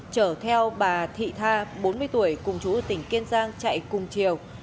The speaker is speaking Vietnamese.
chở theo bà thị tha bốn mươi tuổi cùng chú ở tỉnh kiên giang chạy cùng chiều